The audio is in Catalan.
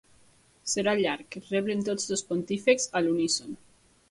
Serà llarg —reblen tots dos pontífexs a l'uníson.